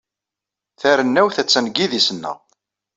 Tarennawt attan deg yidis-nneɣ.